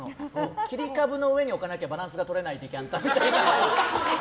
切り株の上に置かなきゃバランスがとれないデキャンタみたいな。